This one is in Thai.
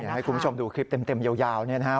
ให้คุณผู้ชมดูคลิปเต็มเยาว์นี่นะคะ